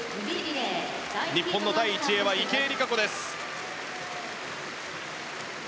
日本の第１泳は池江璃花子です。